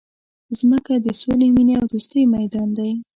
مځکه د سولي، مینې او دوستۍ میدان دی.